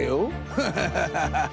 フハハハハハ！